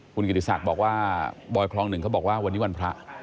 คุณกิติศักดิ์บอกว่าบอยคลอง๑เขาบอกว่าวันนี้วันพระ